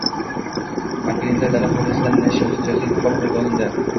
Angrenda dala hovlisida “nasha” oʻstirayotgan fuqaro qoʻlga olindi.